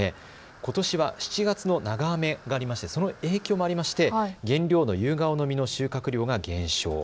ことしは７月の長雨などがありましてその影響もありまして原料のユウガオの実の収穫量が減少。